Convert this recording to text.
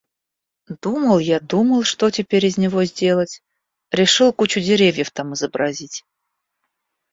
Думал я, думал, что теперь из него сделать, решил кучу деревьев там изобразить...